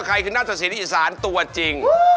ใครคือหน้าตะสินอีสานตัวจริง